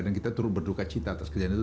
dan kita terus berduka cita atas kejadian itu